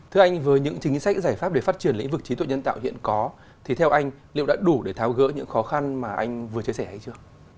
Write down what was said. thưa anh với những chính sách giải pháp để phát triển lĩnh vực trí tuệ nhân tạo hiện có thì theo anh liệu đã đủ để tháo gỡ những khó khăn mà anh vừa chia sẻ hay chưa